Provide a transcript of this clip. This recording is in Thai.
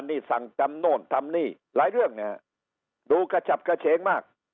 นี่สั่งจำโน่นทำนี่หลายเรื่องนะฮะดูกระฉับกระเฉงมาก